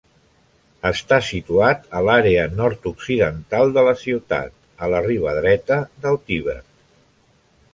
Està situat a l'àrea nord-occidental de la ciutat, a la riba dreta del Tíber.